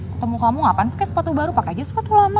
kutemu kamu ngapain pake sepatu baru pake aja sepatu lama